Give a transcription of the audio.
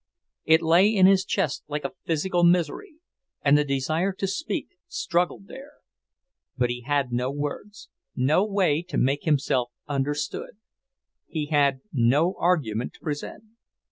It lay in his chest like a physical misery, and the desire to speak struggled there. But he had no words, no way to make himself understood. He had no argument to present.